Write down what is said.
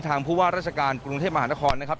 ผู้ว่าราชการกรุงเทพมหานครนะครับ